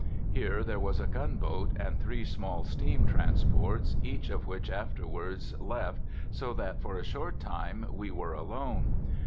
Here there was a gunboat and three small steam transports, each of which afterwards left, so that for a short time we were alone.